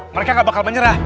mereka gak bakal menyerah